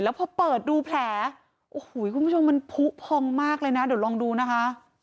แล้วพอเปิดดูแผลคุณผู้ชมมันพุภองมากเลยนะเดี๋ยวลองดูนะคะ